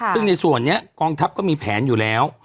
ซึ่งในส่วนนี้กองทัพก็มีแผนอยู่แล้ว